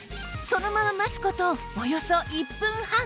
そのまま待つ事およそ１分半